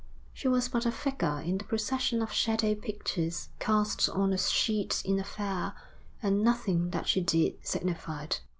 She was but a figure in the procession of shadow pictures cast on a sheet in a fair, and nothing that she did signified.